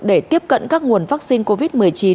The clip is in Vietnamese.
để tiếp cận các nguồn vaccine covid một mươi chín